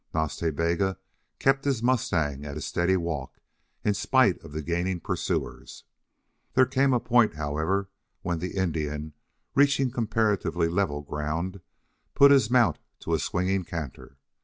Nas Ta Bega kept his mustang at a steady walk, in spite of the gaining pursuers. There came a point, however, when the Indian, reaching comparatively level ground, put his mount to a swinging canter.